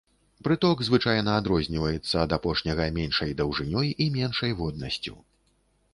Прыток звычайна адрозніваецца ад апошняга меншай даўжынёй і меншай воднасцю.